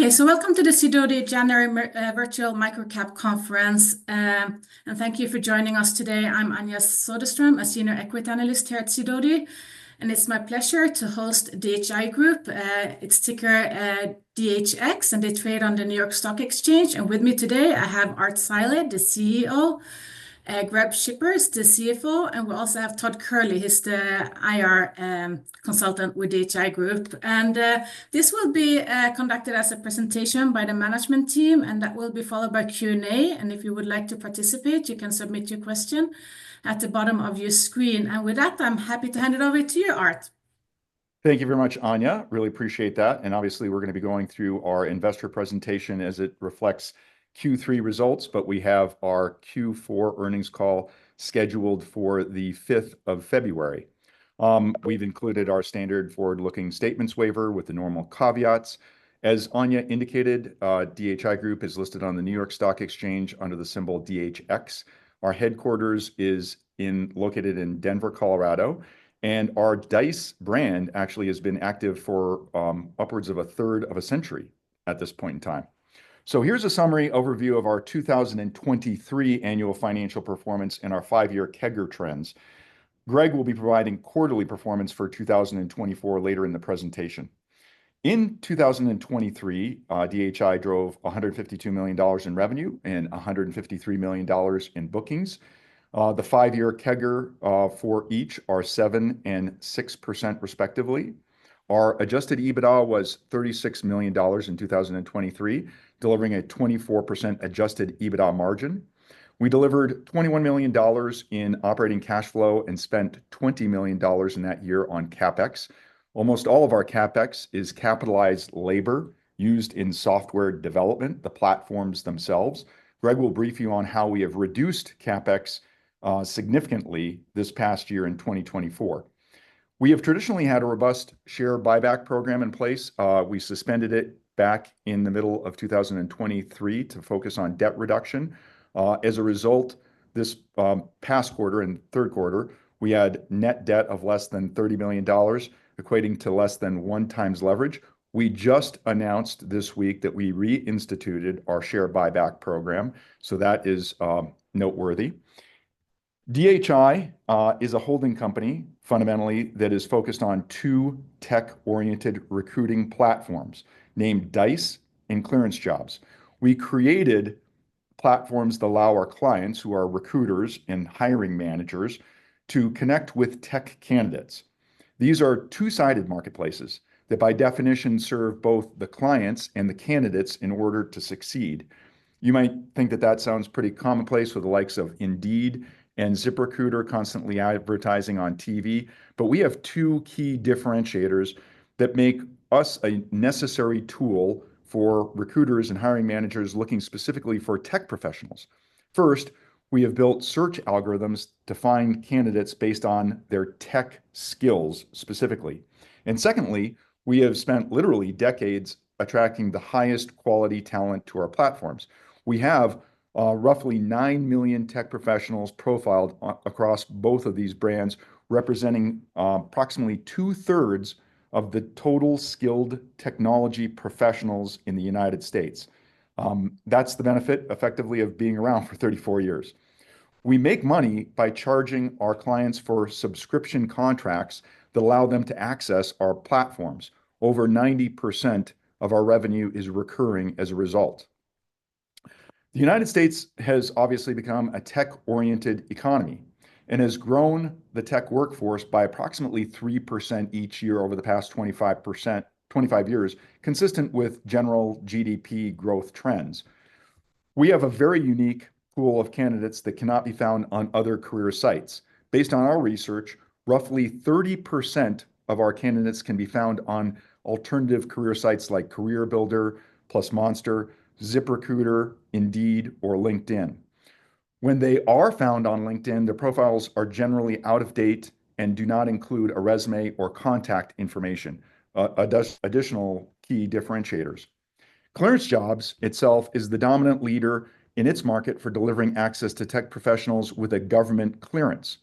Okay, so welcome to the Sidoti January Virtual Microcap Conference, and thank you for joining us today. I'm Anja Soderström, a senior equity analyst here at Sidoti, and it's my pleasure to host DHI Group. It's ticker DHX, and they trade on the New York Stock Exchange, and with me today, I have Art Zeile, the CEO, Greg Schippers, the CFO, and we also have Todd Kehrli. He's the IR consultant with DHI Group, and this will be conducted as a presentation by the management team, and that will be followed by Q&A, and if you would like to participate, you can submit your question at the bottom of your screen, and with that, I'm happy to hand it over to you, Art. Thank you very much, Anja. Really appreciate that. And obviously, we're going to be going through our investor presentation as it reflects Q3 results, but we have our Q4 Earnings Call scheduled for the 5th of February. We've included our standard forward-looking statements waiver with the normal caveats. As Anja indicated, DHI Group is listed on the New York Stock Exchange under the symbol DHX. Our headquarters is located in Denver, Colorado. And our Dice brand actually has been active for upwards of a third of a century at this point in time. So here's a summary overview of our 2023 annual financial performance and our five-year CAGR trends. Greg will be providing quarterly performance for 2024 later in the presentation. In 2023, DHI drove $152 million in revenue and $153 million in bookings. The five-year CAGR for each are 7% and 6%, respectively. Our adjusted EBITDA was $36 million in 2023, delivering a 24% adjusted EBITDA margin. We delivered $21 million in operating cash flow and spent $20 million in that year on CapEx. Almost all of our CapEx is capitalized labor used in software development, the platforms themselves. Greg will brief you on how we have reduced CapEx significantly this past year in 2024. We have traditionally had a robust share buyback program in place. We suspended it back in the middle of 2023 to focus on debt reduction. As a result, this past quarter and third quarter, we had net debt of less than $30 million, equating to less than one times leverage. We just announced this week that we reinstituted our share buyback program. So that is noteworthy. DHI is a holding company, fundamentally, that is focused on two tech-oriented recruiting platforms named Dice and ClearanceJobs. We created platforms that allow our clients, who are recruiters and hiring managers, to connect with tech candidates. These are two-sided marketplaces that, by definition, serve both the clients and the candidates in order to succeed. You might think that that sounds pretty commonplace with the likes of Indeed and ZipRecruiter constantly advertising on TV, but we have two key differentiators that make us a necessary tool for recruiters and hiring managers looking specifically for tech professionals. First, we have built search algorithms to find candidates based on their tech skills specifically. And secondly, we have spent literally decades attracting the highest quality talent to our platforms. We have roughly nine million tech professionals profiled across both of these brands, representing approximately two-thirds of the total skilled technology professionals in the United States. That's the benefit, effectively, of being around for 34 years. We make money by charging our clients for subscription contracts that allow them to access our platforms. Over 90% of our revenue is recurring as a result. The United States has obviously become a tech-oriented economy and has grown the tech workforce by approximately 3% each year over the past 25 years, consistent with general GDP growth trends. We have a very unique pool of candidates that cannot be found on other career sites. Based on our research, roughly 30% of our candidates can be found on alternative career sites like CareerBuilder, plus Monster, ZipRecruiter, Indeed, or LinkedIn. When they are found on LinkedIn, their profiles are generally out of date and do not include a resume or contact information, additional key differentiators. ClearanceJobs itself is the dominant leader in its market for delivering access to tech professionals with a government clearance.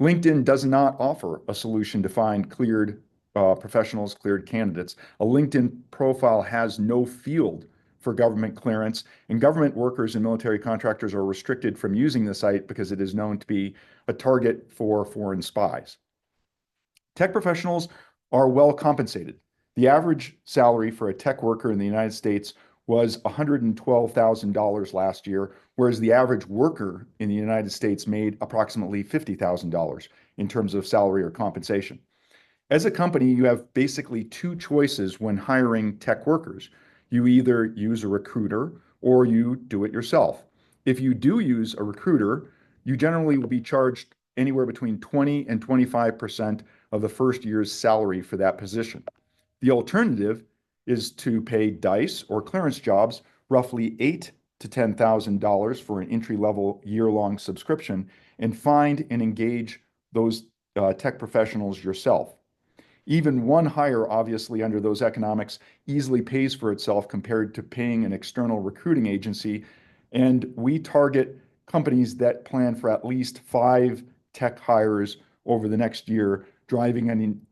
LinkedIn does not offer a solution to find cleared professionals, cleared candidates. A LinkedIn profile has no field for government clearance, and government workers and military contractors are restricted from using the site because it is known to be a target for foreign spies. Tech professionals are well compensated. The average salary for a tech worker in the United States was $112,000 last year, whereas the average worker in the United States made approximately $50,000 in terms of salary or compensation. As a company, you have basically two choices when hiring tech workers. You either use a recruiter or you do it yourself. If you do use a recruiter, you generally will be charged anywhere between 20% and 25% of the first year's salary for that position. The alternative is to pay Dice or ClearanceJobs roughly $8,000-$10,000 for an entry-level year-long subscription and find and engage those tech professionals yourself. Even one hire, obviously, under those economics easily pays for itself compared to paying an external recruiting agency. And we target companies that plan for at least five tech hires over the next year, driving an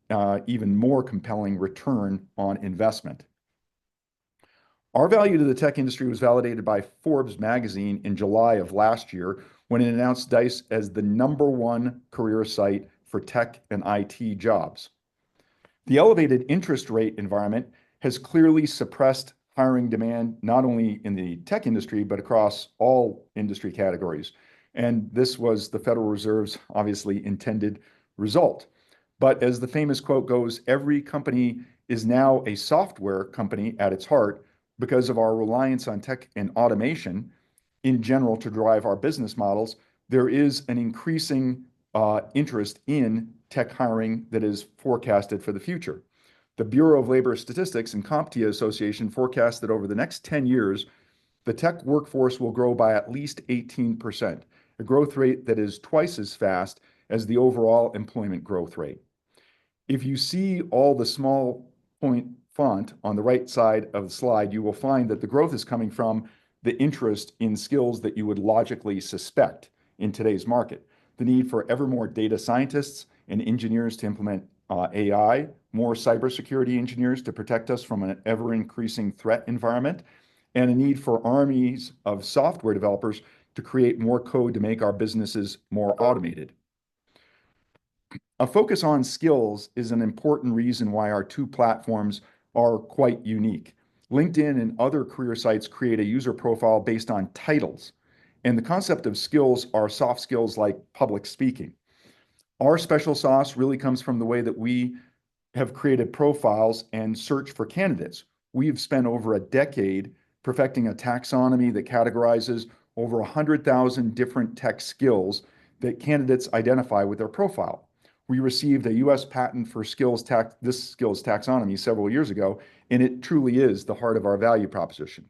even more compelling return on investment. Our value to the tech industry was validated by Forbes magazine in July of last year when it announced Dice as the number one career site for tech and IT jobs. The elevated interest rate environment has clearly suppressed hiring demand not only in the tech industry, but across all industry categories. And this was the Federal Reserve's, obviously, intended result. But as the famous quote goes, "Every company is now a software company at its heart because of our reliance on tech and automation in general to drive our business models," there is an increasing interest in tech hiring that is forecasted for the future. The Bureau of Labor Statistics and CompTIA Association forecast that over the next 10 years, the tech workforce will grow by at least 18%, a growth rate that is twice as fast as the overall employment growth rate. If you see all the small point font on the right side of the slide, you will find that the growth is coming from the interest in skills that you would logically suspect in today's market, the need for ever more data scientists and engineers to implement AI, more cybersecurity engineers to protect us from an ever-increasing threat environment, and a need for armies of software developers to create more code to make our businesses more automated. A focus on skills is an important reason why our two platforms are quite unique. LinkedIn and other career sites create a user profile based on titles, and the concept of skills are soft skills like public speaking. Our special sauce really comes from the way that we have created profiles and searched for candidates. We've spent over a decade perfecting a taxonomy that categorizes over 100,000 different tech skills that candidates identify with their profile. We received a U.S. patent for this skills taxonomy several years ago, and it truly is the heart of our value proposition.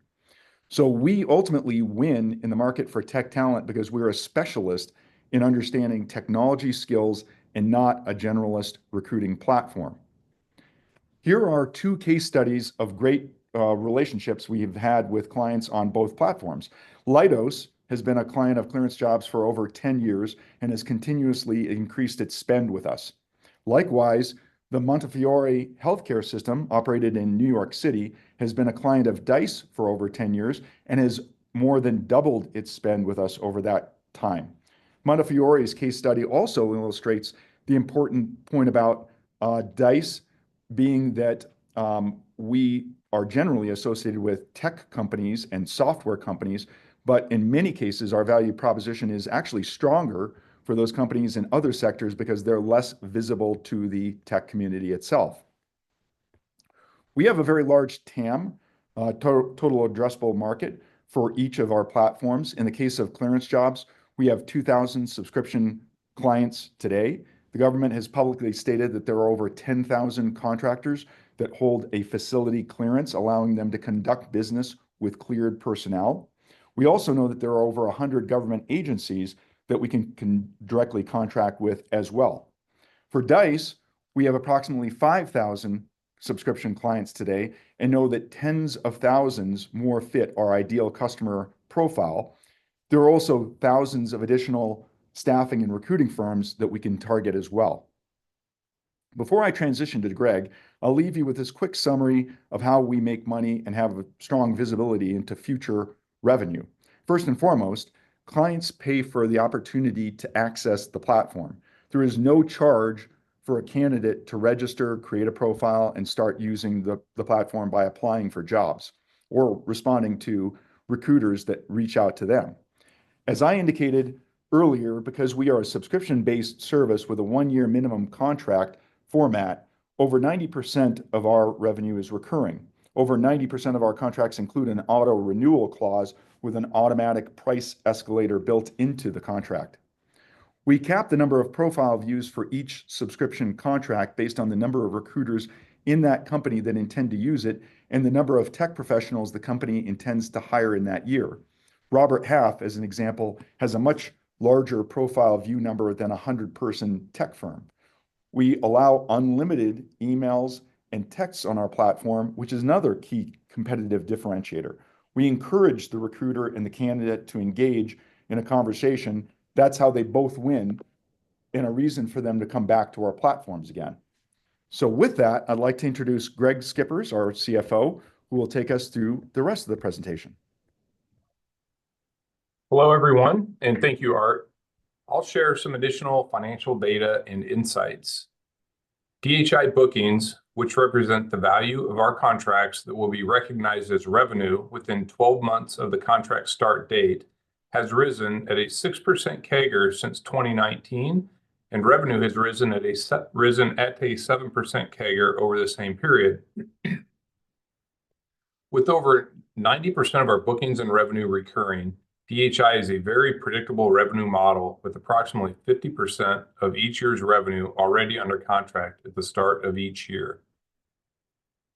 So we ultimately win in the market for tech talent because we're a specialist in understanding technology skills and not a generalist recruiting platform. Here are two case studies of great relationships we have had with clients on both platforms. Leidos has been a client of ClearanceJobs for over 10 years and has continuously increased its spend with us. Likewise, the Montefiore Health System, operated in New York City, has been a client of Dice for over 10 years and has more than doubled its spend with us over that time. Montefiore's case study also illustrates the important point about Dice, being that we are generally associated with tech companies and software companies, but in many cases, our value proposition is actually stronger for those companies in other sectors because they're less visible to the tech community itself. We have a very large TAM, total addressable market, for each of our platforms. In the case of ClearanceJobs, we have 2,000 subscription clients today. The government has publicly stated that there are over 10,000 contractors that hold a facility clearance, allowing them to conduct business with cleared personnel. We also know that there are over 100 government agencies that we can directly contract with as well. For Dice, we have approximately 5,000 subscription clients today and know that tens of thousands more fit our ideal customer profile. There are also thousands of additional staffing and recruiting firms that we can target as well. Before I transition to Greg, I'll leave you with this quick summary of how we make money and have strong visibility into future revenue. First and foremost, clients pay for the opportunity to access the platform. There is no charge for a candidate to register, create a profile, and start using the platform by applying for jobs or responding to recruiters that reach out to them. As I indicated earlier, because we are a subscription-based service with a one-year minimum contract format, over 90% of our revenue is recurring. Over 90% of our contracts include an auto-renewal clause with an automatic price escalator built into the contract. We cap the number of profile views for each subscription contract based on the number of recruiters in that company that intend to use it and the number of tech professionals the company intends to hire in that year. Robert Half, as an example, has a much larger profile view number than a 100-person tech firm. We allow unlimited emails and texts on our platform, which is another key competitive differentiator. We encourage the recruiter and the candidate to engage in a conversation. That's how they both win and a reason for them to come back to our platforms again. So with that, I'd like to introduce Greg Schippers, our CFO, who will take us through the rest of the presentation. Hello, everyone, and thank you, Art. I'll share some additional financial data and insights. DHI bookings, which represent the value of our contracts that will be recognized as revenue within 12 months of the contract start date, have risen at a 6% CAGR since 2019, and revenue has risen at a 7% CAGR over the same period. With over 90% of our bookings and revenue recurring, DHI is a very predictable revenue model with approximately 50% of each year's revenue already under contract at the start of each year.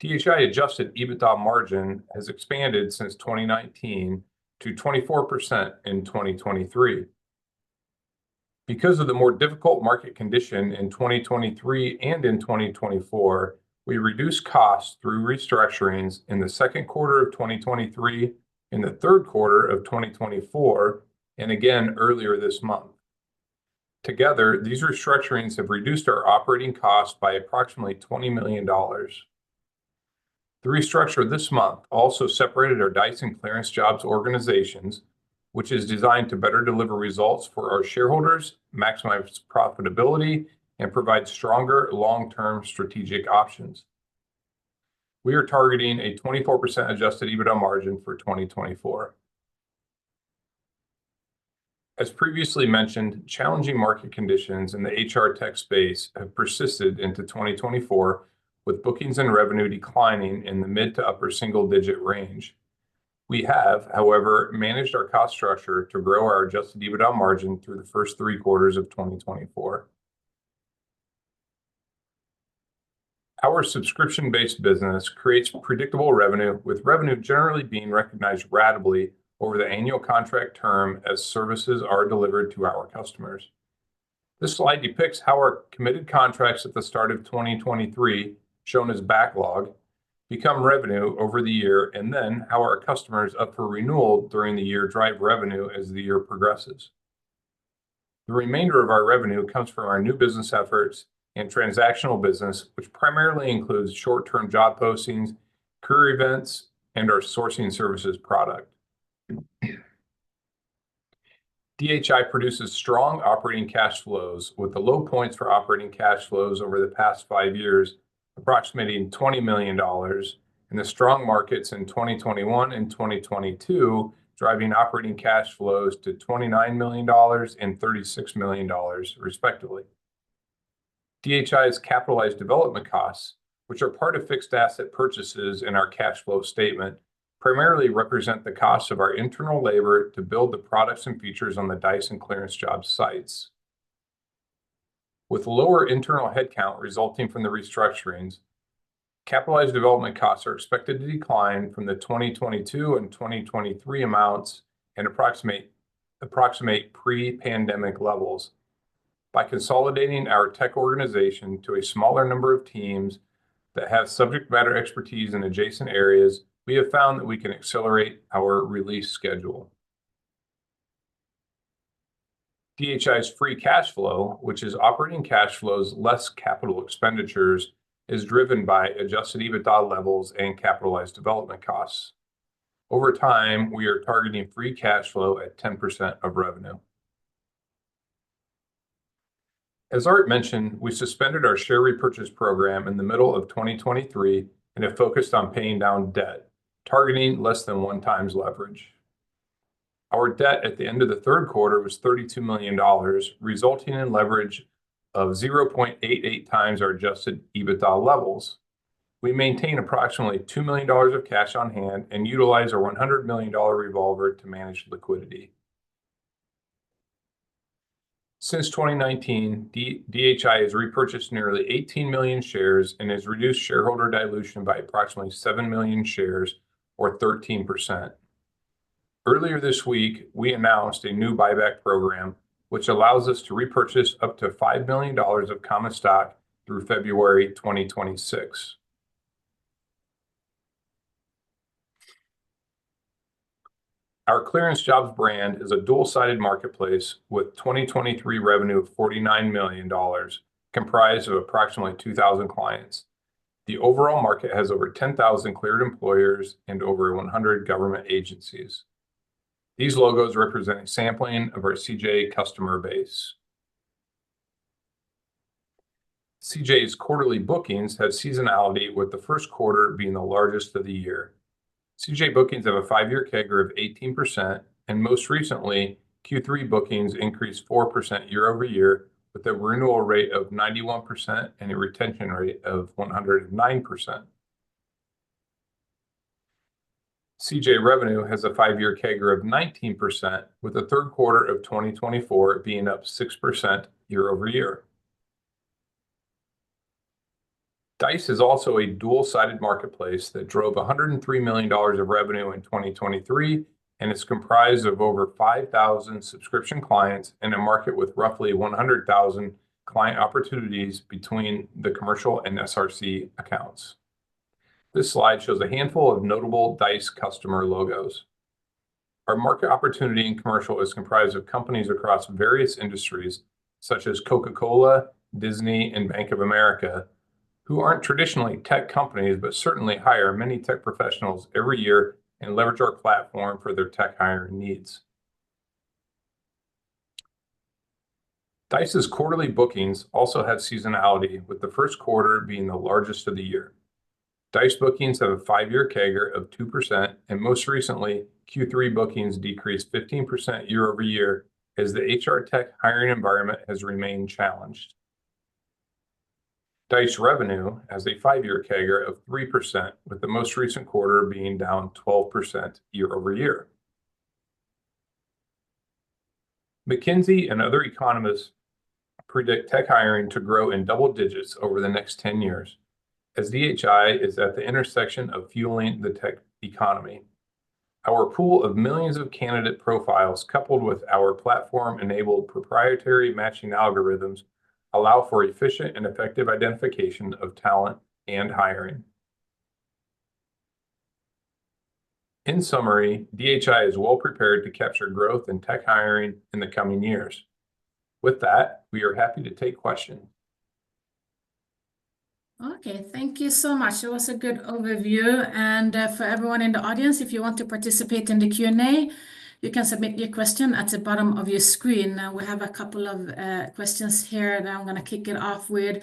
DHI Adjusted EBITDA margin has expanded since 2019 to 24% in 2023. Because of the more difficult market condition in 2023 and in 2024, we reduced costs through restructurings in the second quarter of 2023, in the third quarter of 2024, and again earlier this month. Together, these restructurings have reduced our operating costs by approximately $20 million. The restructure this month also separated our Dice and ClearanceJobs organizations, which is designed to better deliver results for our shareholders, maximize profitability, and provide stronger long-term strategic options. We are targeting a 24% Adjusted EBITDA margin for 2024. As previously mentioned, challenging market conditions in the HR tech space have persisted into 2024, with bookings and revenue declining in the mid to upper single-digit range. We have, however, managed our cost structure to grow our Adjusted EBITDA margin through the first three quarters of 2024. Our subscription-based business creates predictable revenue, with revenue generally being recognized ratably over the annual contract term as services are delivered to our customers. This slide depicts how our committed contracts at the start of 2023, shown as backlog, become revenue over the year, and then how our customers up for renewal during the year drive revenue as the year progresses. The remainder of our revenue comes from our new business efforts and transactional business, which primarily includes short-term job postings, career events, and our sourcing services product. DHI produces strong operating cash flows with the low points for operating cash flows over the past five years, approximating $20 million, and the strong markets in 2021 and 2022, driving operating cash flows to $29 million and $36 million, respectively. DHI's capitalized development costs, which are part of fixed asset purchases in our cash flow statement, primarily represent the cost of our internal labor to build the products and features on the Dice and ClearanceJobs sites. With lower internal headcount resulting from the restructurings, capitalized development costs are expected to decline from the 2022 and 2023 amounts and approximate pre-pandemic levels. By consolidating our tech organization to a smaller number of teams that have subject matter expertise in adjacent areas, we have found that we can accelerate our release schedule. DHI's free cash flow, which is operating cash flows less capital expenditures, is driven by adjusted EBITDA levels and capitalized development costs. Over time, we are targeting free cash flow at 10% of revenue. As Art mentioned, we suspended our share repurchase program in the middle of 2023 and have focused on paying down debt, targeting less than one times leverage. Our debt at the end of the Q3 was $32 million, resulting in leverage of 0.88 times our adjusted EBITDA levels. We maintain approximately $2 million of cash on hand and utilize our $100 million revolver to manage liquidity. Since 2019, DHI has repurchased nearly 18 million shares and has reduced shareholder dilution by approximately 7 million shares, or 13%. Earlier this week, we announced a new buyback program, which allows us to repurchase up to $5 million of common stock through February 2026. Our ClearanceJobs brand is a dual-sided marketplace with 2023 revenue of $49 million, comprised of approximately 2,000 clients. The overall market has over 10,000 cleared employers and over 100 government agencies. These logos represent sampling of our CJ customer base. CJ's quarterly bookings have seasonality, with the first quarter being the largest of the year. CJ bookings have a five-year CAGR of 18%, and most recently, Q3 bookings increased 4% year-over-year, with a renewal rate of 91% and a retention rate of 109%. CJ revenue has a five-year CAGR of 19%, with the Q3 of 2024 being up 6% year over year. Dice is also a dual-sided marketplace that drove $103 million of revenue in 2023 and is comprised of over 5,000 subscription clients in a market with roughly 100,000 client opportunities between the commercial and SRC accounts. This slide shows a handful of notable Dice customer logos. Our market opportunity in commercial is comprised of companies across various industries, such as Coca-Cola, Disney, and Bank of America, who aren't traditionally tech companies but certainly hire many tech professionals every year and leverage our platform for their tech hiring needs. Dice's quarterly bookings also have seasonality, with the first quarter being the largest of the year. Dice bookings have a five-year CAGR of 2%, and most recently, Q3 bookings decreased 15% year-over year as the HR tech hiring environment has remained challenged. Dice revenue has a five-year Kegger of 3%, with the most recent quarter being down 12% year over year. McKinsey and other economists predict tech hiring to grow in double digits over the next 10 years as DHI is at the intersection of fueling the tech economy. Our pool of millions of candidate profiles, coupled with our platform-enabled proprietary matching algorithms, allow for efficient and effective identification of talent and hiring. In summary, DHI is well prepared to capture growth in tech hiring in the coming years. With that, we are happy to take questions. Okay, thank you so much. It was a good overview. For everyone in the audience, if you want to participate in the Q&A, you can submit your question at the bottom of your screen. We have a couple of questions here that I'm going to kick it off with.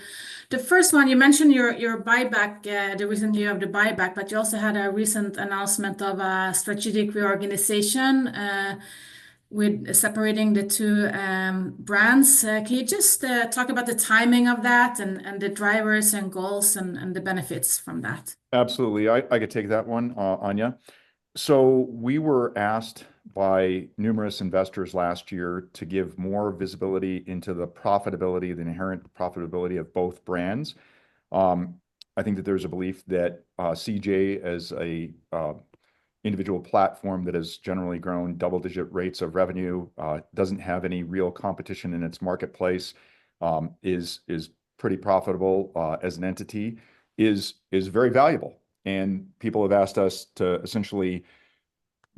The first one, you mentioned your buyback, the reason you have the buyback, but you also had a recent announcement of a strategic reorganization with separating the two brands. Can you just talk about the timing of that and the drivers and goals and the benefits from that? Absolutely. I could take that one, Anja. So we were asked by numerous investors last year to give more visibility into the profitability, the inherent profitability of both brands.I think that there's a belief that CJ, as an individual platform that has generally grown double-digit rates of revenue, doesn't have any real competition in its marketplace, is pretty profitable as an entity, is very valuable, and people have asked us to essentially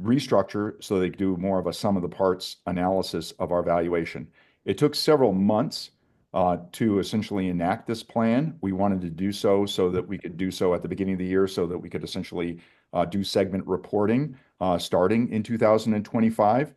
restructure so they could do more of a sum of the parts analysis of our valuation. It took several months to essentially enact this plan. We wanted to do so so that we could do so at the beginning of the year so that we could essentially do segment reporting starting in 2025.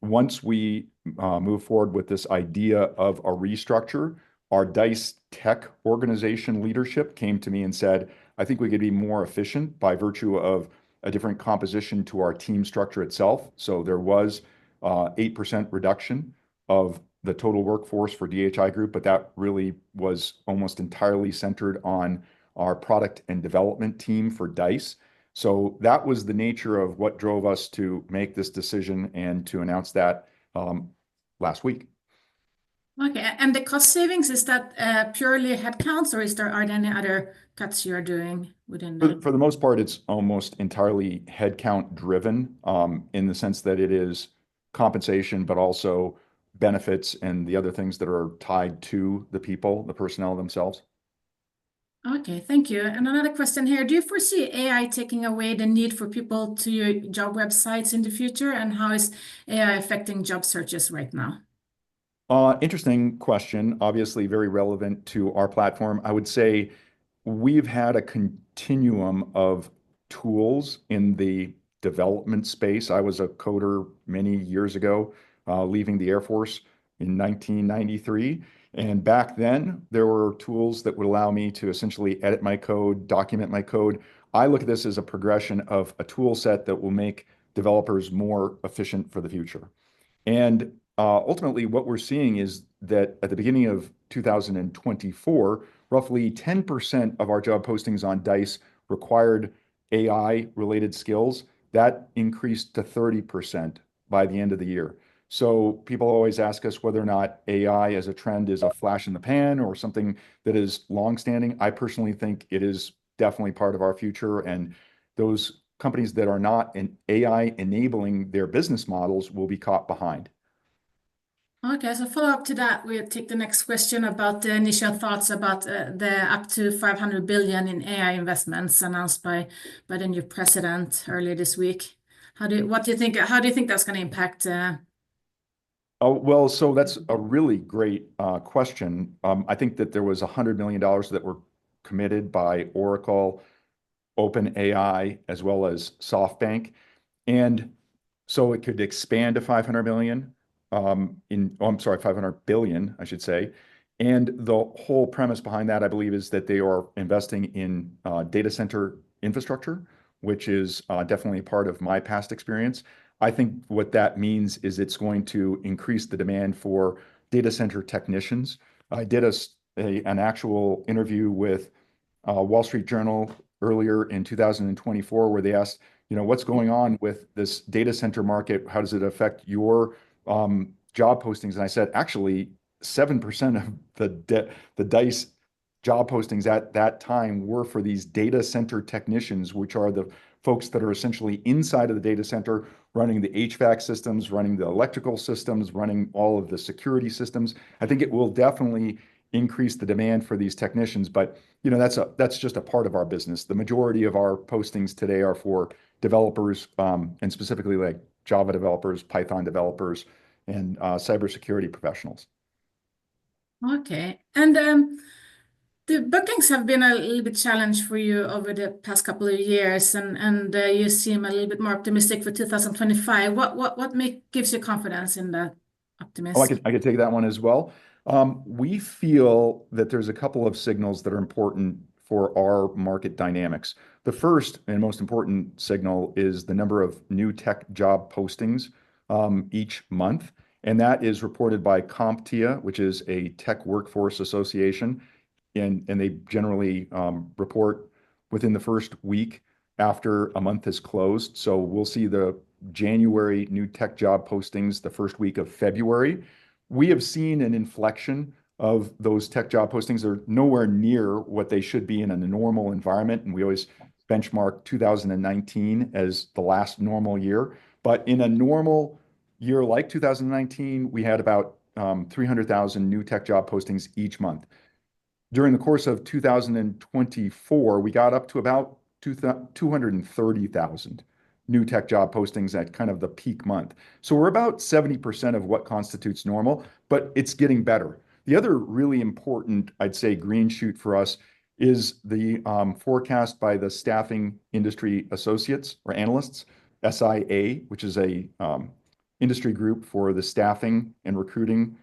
Once we moved forward with this idea of a restructure, our Dice tech organization leadership came to me and said, "I think we could be more efficient by virtue of a different composition to our team structure itself." So there was an 8% reduction of the total workforce for DHI Group, but that really was almost entirely centered on our product and development team for Dice. So that was the nature of what drove us to make this decision and to announce that last week. Okay. And the cost savings, is that purely headcounts or are there any other cuts you are doing within the? For the most part, it's almost entirely headcount-driven in the sense that it is compensation, but also benefits and the other things that are tied to the people, the personnel themselves. Okay, thank you. And another question here. Do you foresee AI taking away the need for people to your job websites in the future? And how is AI affecting job searches right now? Interesting question. Obviously, very relevant to our platform. I would say we've had a continuum of tools in the development space. I was a coder many years ago, leaving the Air Force in 1993. And back then, there were tools that would allow me to essentially edit my code, document my code. I look at this as a progression of a toolset that will make developers more efficient for the future. And ultimately, what we're seeing is that at the beginning of 2024, roughly 10% of our job postings on Dice required AI-related skills. That increased to 30% by the end of the year. So people always ask us whether or not AI as a trend is a flash in the pan or something that is long-standing. I personally think it is definitely part of our future. And those companies that are not in AI-enabling their business models will be caught behind. Okay. As a follow-up to that, we'll take the next question about the initial thoughts about the up to $500 billion in AI investments announced by the new president earlier this week. What do you think? How do you think that's going to impact? Well, so that's a really great question. I think that there was $100 million that were committed by Oracle, OpenAI, as well as SoftBank. And so it could expand to $500 million. I'm sorry, $500 billion, I should say. The whole premise behind that, I believe, is that they are investing in data center infrastructure, which is definitely part of my past experience. I think what that means is it's going to increase the demand for data center technicians. I did an actual interview with Wall Street Journal earlier in 2024 where they asked, you know, what's going on with this data center market? How does it affect your job postings? And I said, actually, 7% of the Dice job postings at that time were for these data center technicians, which are the folks that are essentially inside of the data center, running the HVAC systems, running the electrical systems, running all of the security systems. I think it will definitely increase the demand for these technicians, but you know, that's just a part of our business. The majority of our postings today are for developers, and specifically like Java developers, Python developers, and cybersecurity professionals. Okay. And the bookings have been a little bit challenged for you over the past couple of years, and you seem a little bit more optimistic for 2025. What gives you confidence in that optimism? I could take that one as well. We feel that there's a couple of signals that are important for our market dynamics. The first and most important signal is the number of new tech job postings each month. And that is reported by CompTIA, which is a tech workforce association. And they generally report within the first week after a month has closed. So we'll see the January new tech job postings the first week of February. We have seen an inflection of those tech job postings. They're nowhere near what they should be in a normal environment. And we always benchmark 2019 as the last normal year. But in a normal year like 2019, we had about 300,000 new tech job postings each month. During the course of 2024, we got up to about 230,000 new tech job postings at kind of the peak month. So we're about 70% of what constitutes normal, but it's getting better. The other really important, I'd say, green shoot for us is the forecast by the Staffing Industry Analysts, SIA, which is an industry group for the staffing and recruiting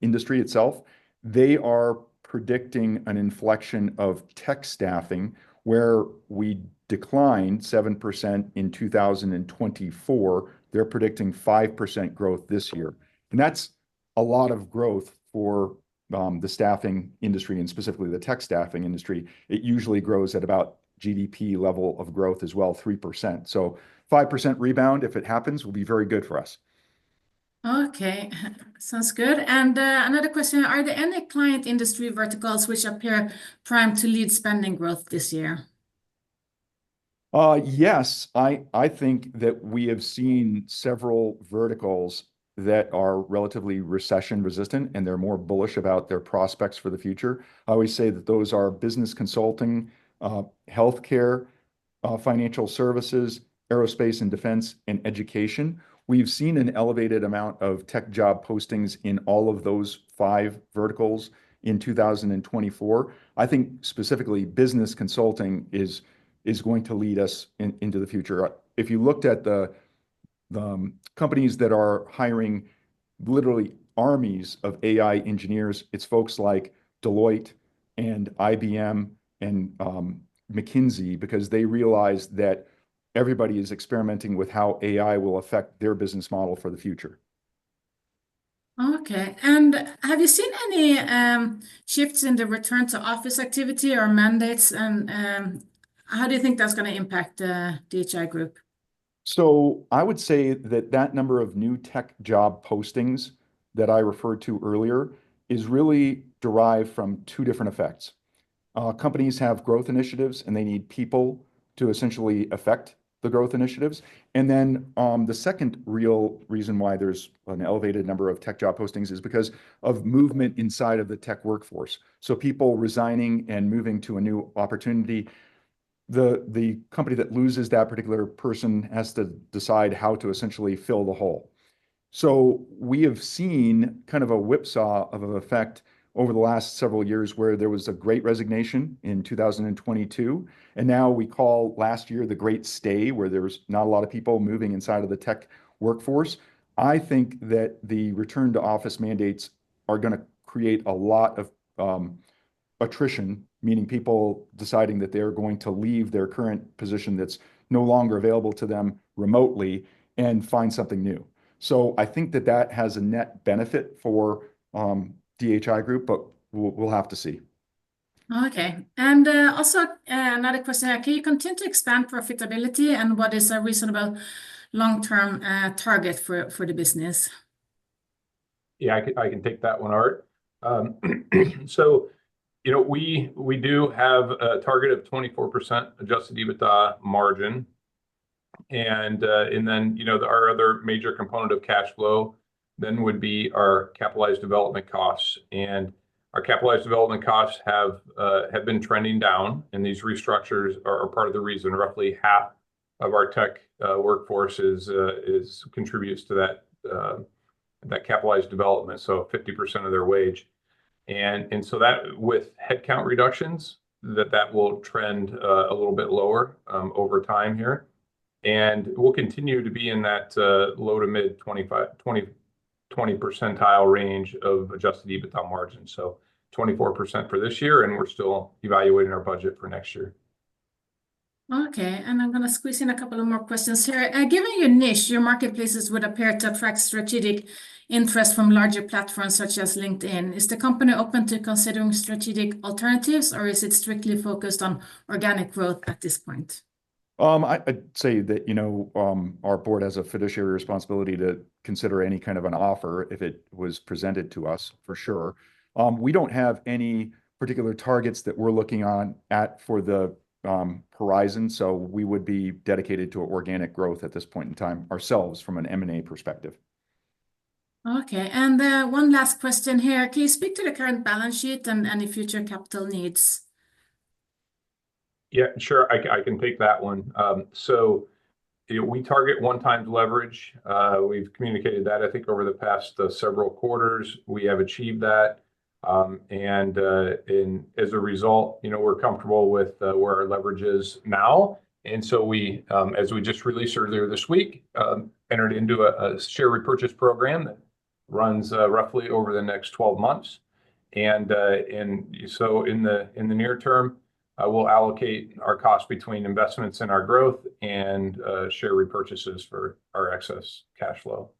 industry itself. They are predicting an inflection of tech staffing where we declined 7% in 2024. They're predicting 5% growth this year. And that's a lot of growth for the staffing industry and specifically the tech staffing industry. It usually grows at about GDP level of growth as well, 3%. So 5% rebound, if it happens, will be very good for us. Okay. Sounds good. And another question. Are there any client industry verticals which appear primed to lead spending growth this year? Yes. I think that we have seen several verticals that are relatively recession resistant, and they're more bullish about their prospects for the future. I always say that those are business consulting, healthcare, financial services, aerospace and defense, and education. We've seen an elevated amount of tech job postings in all of those five verticals in 2024. I think specifically business consulting is going to lead us into the future. If you looked at the companies that are hiring literally armies of AI engineers, it's folks like Deloitte and IBM and McKinsey because they realize that everybody is experimenting with how AI will affect their business model for the future. Okay. And have you seen any shifts in the return to office activity or mandates? And how do you think that's going to impact DHI Group? So I would say that that number of new tech job postings that I referred to earlier is really derived from two different effects. Companies have growth initiatives, and they need people to essentially affect the growth initiatives. And then the second real reason why there's an elevated number of tech job postings is because of movement inside of the tech workforce. So, people resigning and moving to a new opportunity, the company that loses that particular person has to decide how to essentially fill the hole. So, we have seen kind of a whipsaw of an effect over the last several years where there was a great resignation in 2022. And now we call last year the great stay, where there was not a lot of people moving inside of the tech workforce. I think that the return to office mandates are going to create a lot of attrition, meaning people deciding that they're going to leave their current position that's no longer available to them remotely and find something new. So, I think that that has a net benefit for DHI Group, but we'll have to see. Okay. And also another question here. Can you continue to expand profitability? And what is a reasonable long-term target for the business? Yeah, I can take that one, Art. So you know we do have a target of 24% Adjusted EBITDA margin. And then you know our other major component of cash flow then would be our capitalized development costs. And our capitalized development costs have been trending down. And these restructures are part of the reason roughly half of our tech workforce contributes to that capitalized development, so 50% of their wage. And so that with headcount reductions, that will trend a little bit lower over time here. And we'll continue to be in that low- to mid-20th percentile range of Adjusted EBITDA margin. So 24% for this year, and we're still evaluating our budget for next year. Okay. And I'm going to squeeze in a couple of more questions here. Given your niche, your marketplaces would appear to attract strategic interest from larger platforms such as LinkedIn.Is the company open to considering strategic alternatives, or is it strictly focused on organic growth at this point? I'd say that you know our board has a fiduciary responsibility to consider any kind of an offer if it was presented to us, for sure. We don't have any particular targets that we're looking on at for the horizon. We would be dedicated to organic growth at this point in time ourselves from an M&A perspective. Okay. And one last question here. Can you speak to the current balance sheet and any future capital needs? Yeah, sure. I can take that one. We target one-times leverage. We've communicated that, I think, over the past several quarters. We have achieved that. And as a result, you know we're comfortable with where our leverage is now. We, as we just released earlier this week, entered into a share repurchase program that runs roughly over the next 12 months. So in the near term, we'll allocate our cash between investments and our growth and share repurchases for our excess cash flow.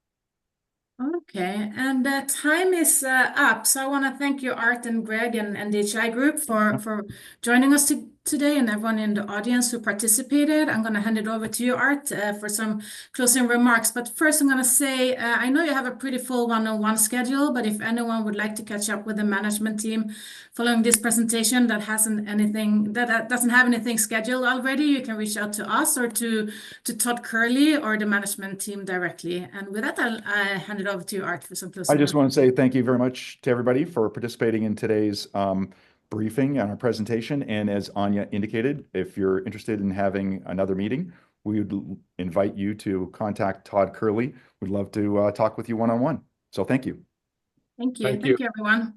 Okay. Time is up. I want to thank you, Art and Greg and DHI Group for joining us today and everyone in the audience who participated. I'm going to hand it over to you, Art, for some closing remarks. But first, I'm going to say, I know you have a pretty full one-on-one schedule, but if anyone would like to catch up with the management team following this presentation that doesn't have anything scheduled already, you can reach out to us or to Todd Kehrli or the management team directly. And with that, I'll hand it over to you, Art, for some closing remarks. I just want to say thank you very much to everybody for participating in today's briefing and our presentation. And as Anja indicated, if you're interested in having another meeting, we would invite you to contact Todd Kehrli. We'd love to talk with you one-on-one. So thank you. Thank you. Thank you, everyone.